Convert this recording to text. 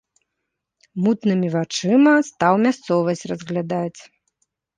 Мутнымі вачыма стаў мясцовасць разглядаць.